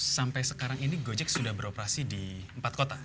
sampai sekarang ini gojek sudah beroperasi di empat kota